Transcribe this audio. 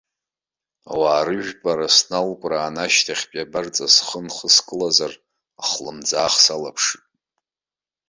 Ауаа рыжәпара сналкәраан, ашьҭахьтәи абарҵа схы нхыскылазар, ахлымӡаах сналаԥшит.